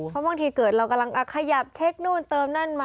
เพราะบางทีเกิดเรากำลังขยับเช็คนู่นเติมนั่นมา